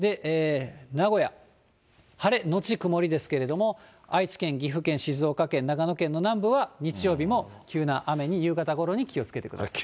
名古屋、晴れのち曇りですけれども、愛知県、岐阜県、静岡県、長野県の南部は日曜日も急な雨に夕方ごろに気をつけてください。